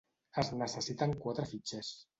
Es necessiten quatre fitxers.